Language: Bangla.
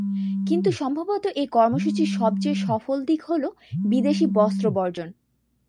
কিন্তু সম্ভবত এ কর্মসূচির সবচেয়ে সফল দিক হলো বিদেশি বস্ত্র বর্জন।